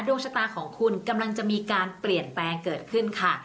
ดวงชะตาของคุณกำลังจะมีการเปลี่ยนแปลงเกิดขึ้นค่ะ